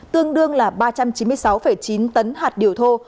tương đương là ba trăm chín mươi sáu chín tấn hạt điều thô